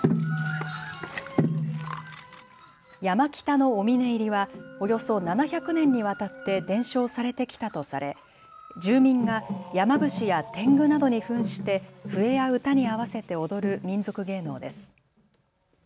山北のお峰入りはおよそ７００年にわたって伝承されてきたとされ住民が山伏やてんぐなどにふんして笛や歌に合わせて踊る民俗芸能です。